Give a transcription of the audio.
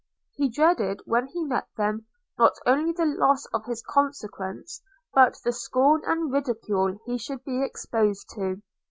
He dreaded, when he met them, not only the loss of his consequence, but the scorn and ridicule he should be exposed to.